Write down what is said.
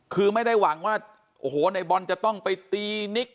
คือไม่ได้หวังว่าโอ้โหในบอลจะต้องไปตีนิก